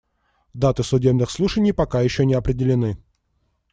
Даты судебных слушаний пока еще не определены.